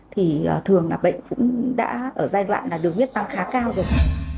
thì thường là bệnh cũng đã ở giai đoạn là đường huyết tăng khá cao rồi